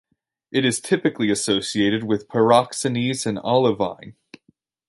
It is typically associated with pyroxenes and olivine.